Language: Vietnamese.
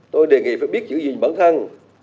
tôi đề nghị phải biết chữ gì bản thân